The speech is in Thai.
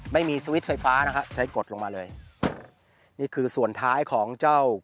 ไม่มีสวิตช์ไฟฟ้านะครับใช้กดลงมาเลยนี่คือส่วนท้ายของเจ้า